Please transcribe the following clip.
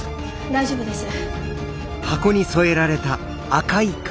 大丈夫です。